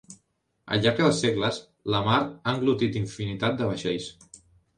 Al llarg dels segles la mar ha englotit infinitat de vaixells.